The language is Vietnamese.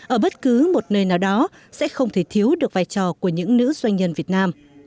ở bất cứ một nơi nào đó sẽ không thể thiếu được vai trò của những nữ doanh nhân việt nam